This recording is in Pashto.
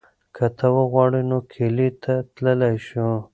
که ته وغواړې نو کلي ته تللی شو.